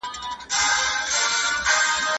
راپور د یوې مهمې پېښې په اړه و.